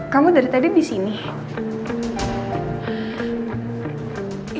kamu dari tadi di sini